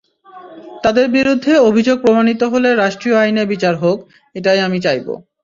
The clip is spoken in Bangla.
তাঁদের বিরুদ্ধে অভিযোগ প্রমাণিত হলে রাষ্ট্রীয় আইনে বিচার হোক—এটাই আমি চাইব।